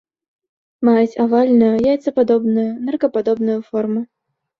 Маюць авальную, яйцападобную, ныркападобную форму.